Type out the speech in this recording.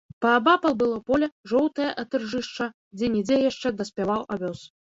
Паабапал было поле, жоўтае ад іржышча, дзе-нідзе яшчэ даспяваў авёс.